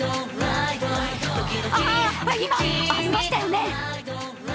あっ！、今、ありましたよね？